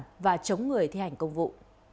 tài sản và chống người thi hành công vụ